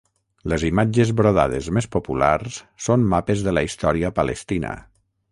Les imatges brodades més populars són mapes de la història Palestina.